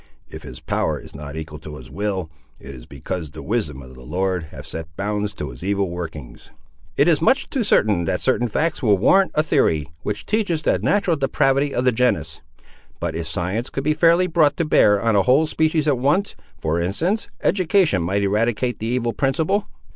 If his power is not equal to his will, it is because the wisdom of the Lord hath set bounds to his evil workings." "It is much too certain that certain facts will warrant a theory, which teaches the natural depravity of the genus; but if science could be fairly brought to bear on a whole species at once, for instance, education might eradicate the evil principle."